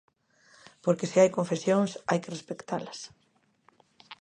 Porque se hai concesións, hai que respectalas.